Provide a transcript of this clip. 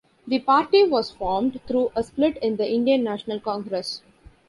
The party was formed through a split in the Indian National Congress.